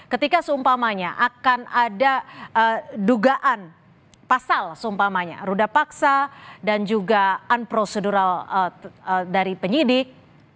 ketika seumpamanya akan ada dugaan pasal seumpamanya ruda paksa dan juga unprocedural dari penyidik